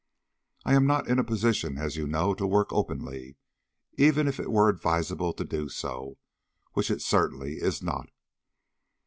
I am not in a position, as you know, to work openly, even if it were advisable to do so, which it certainly is not.